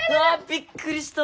びっくりしたもう。